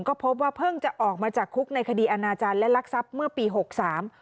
ก็พบว่าเพิ่งจะออกมาจากคุกในคดีอาณาจารย์และรักทรัพย์เมื่อปีหกสาม